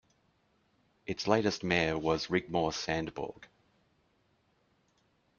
Its latest mayor was Rigmor Sandborg.